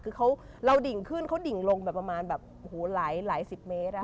คือเราดิ่งขึ้นเค้าดิ่งลงประมาณหลายสิบเมตร